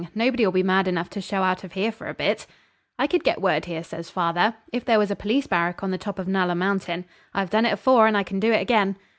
Nobody'll be mad enough to show out of here for a bit.' 'I could get word here,' says father, 'if there was a police barrack on the top of Nulla Mountain. I've done it afore, and I can do it again.'